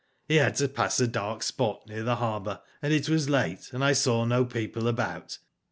" He had to pass a dark spot near the harbour, and it was late, and I saw no people about.